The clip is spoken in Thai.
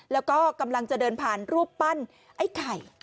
แล้วก็กำลังจะเดินผ่านรูปปั้นไอ้ไข่